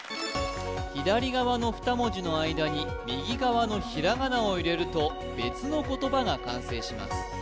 左側の２文字の間に右側のひらがなを入れると別の言葉が完成します